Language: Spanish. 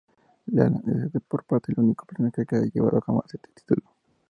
Leland es, por otra parte, el único personaje que ha llevado jamás este título.